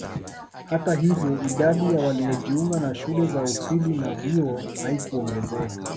Hata hivyo idadi ya waliojiunga na shule za upili na vyuo haikuongezeka